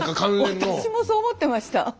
私もそう思ってました。